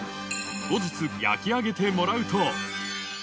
後日、焼き上げてもらうと。